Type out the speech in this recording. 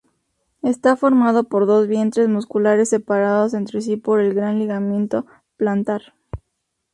Está formado por dos vientres musculares separados entre sí por el gran ligamento plantar.